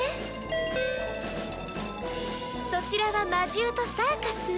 そちらは魔獣とサーカス？